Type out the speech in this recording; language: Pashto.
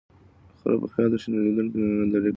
خره په خیال کی د شنېلیو نندارې کړې